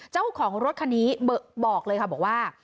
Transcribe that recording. เจ้าของรถคันนี้บอกเลยค่ะบอกว่า